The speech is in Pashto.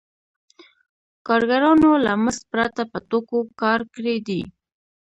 کارګرانو له مزد پرته په توکو کار کړی دی